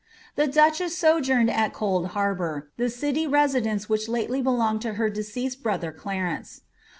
The duchess aojoumed at Cold Harbour, the city residence which lately belonged to her deceased brother Clarence.